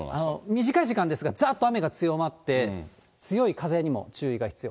短い時間ですが、ざーっと雨が強まって、強い風でも注意が必要。